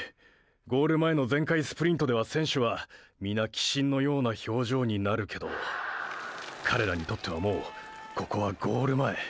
ゴール前の全開スプリントでは選手は皆鬼神のような表情になるけど彼らにとってはもうここは“ゴール前”！！